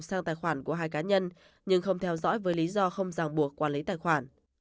sang tài khoản của hai cá nhân nhưng không theo dõi với lý do không giảng buộc quản lý tài khoản